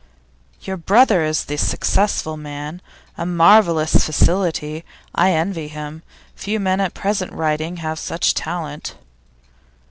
Your brother is the successful man. A marvellous facility! I envy him. Few men at present writing have such talent.